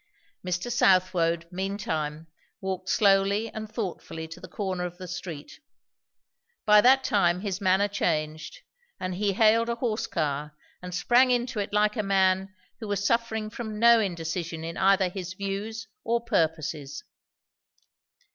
Mr. Southwode meantime walked slowly and thoughtfully to the corner of the street. By that time his manner changed; and he hailed a horse car and sprang into it like a man who was suffering from no indecision in either his views or purposes.